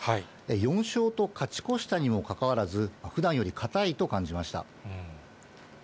４勝と勝ち越したにもかかわらず、ふだんより硬いと感じました。